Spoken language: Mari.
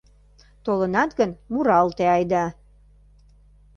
Толынат гын, муралте айда.